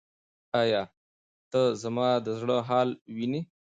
ایا ته زما د زړه حال وینې؟